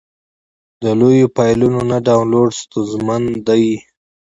د لویو فایلونو نه ډاونلوډ ستونزمن دی.